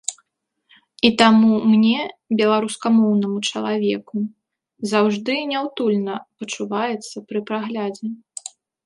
І таму мне, беларускамоўнаму чалавеку, заўжды няўтульна пачуваецца пры праглядзе.